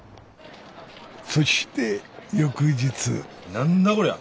そして翌日何だこりゃ。